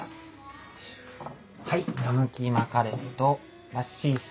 はいラムキーマカレーとラッシーっす。